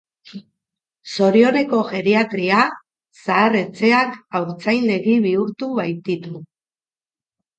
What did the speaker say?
Zorioneko geriatria, zahar-etxeak haurtzaindegi bihurtu baititu!